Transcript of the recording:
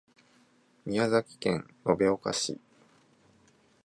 宮崎県延岡市